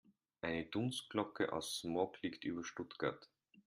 Eine Dunstglocke aus Smog liegt über Stuttgart.